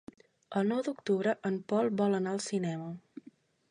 El nou d'octubre en Pol vol anar al cinema.